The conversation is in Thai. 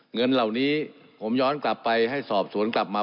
เงินเหล่านี้ผมย้อนกลับไปให้สอบสวนกลับมา